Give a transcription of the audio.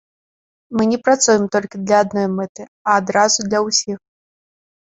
Мы не працуем толькі для адной мэты, а адразу для ўсіх.